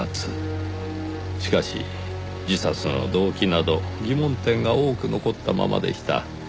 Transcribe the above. しかし自殺の動機など疑問点が多く残ったままでした。